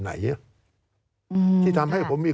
การเลือกตั้งครั้งนี้แน่